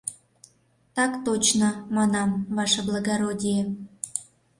— Так точно, манам, ваше благородие.